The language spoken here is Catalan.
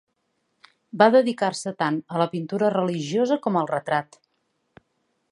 Va dedicar-se tant a la pintura religiosa com al retrat.